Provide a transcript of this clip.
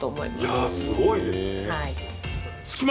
いやあ、すごいですね。